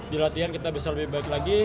di latihan kita bisa lebih baik lagi